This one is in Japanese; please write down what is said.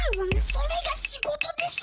それが仕事でしょ